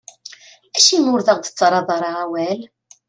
Acimi ur aɣ-d-tettarraḍ ara awal?